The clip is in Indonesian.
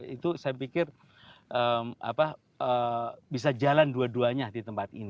itu saya pikir bisa jalan dua duanya di tempat ini